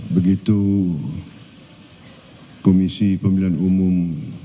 begitu komisi pemilihan umum